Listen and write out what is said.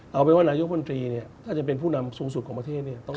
เอาเป็นว่านายกมนตรีเนี่ยถ้าจะเป็นผู้นำสูงสุดของประเทศเนี่ย